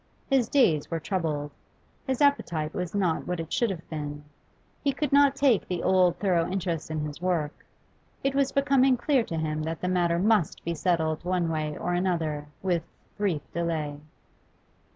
His days were troubled; his appetite was not what it should have been; he could not take the old thorough interest in his work. It was becoming clear to him that the matter must be settled one way or another with brief delay.